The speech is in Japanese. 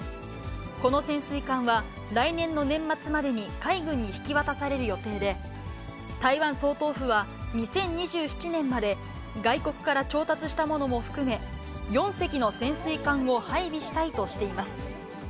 この潜水艦は、来年の年末までに海軍に引き渡される予定で、台湾総統府は、２０２７年まで、外国から調達したものも含め、４隻の潜水艦を配備したいとしています。